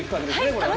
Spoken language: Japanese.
これはね。